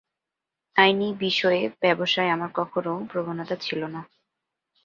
আইনী বিষয়ে, ব্যবসায়, আমার কখনো প্রবণতা ছিল না।